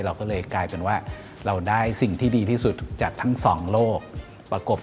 เราก็เลยกลายเป็นว่าเราได้สิ่งที่ดีที่สุดจากทั้งสองโลกประกบ